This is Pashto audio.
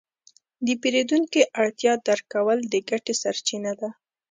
د پیرودونکي اړتیا درک کول د ګټې سرچینه ده.